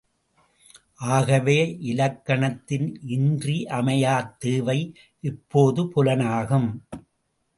ஆகவே, இலக்கணத்தின் இன்றியமையாத் தேவை இப்போது புலனாகும்.